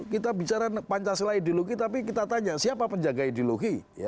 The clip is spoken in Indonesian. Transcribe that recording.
kita bicara pancasila ideologi tapi kita tanya siapa penjaga ideologi